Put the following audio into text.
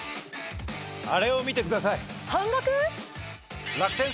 あれを見てください！